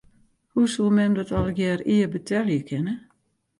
Hoe soe mem dat allegearre ea betelje kinne?